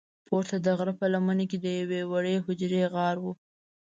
پورته د غره په لمنه کې د یوې وړې حجرې غار و.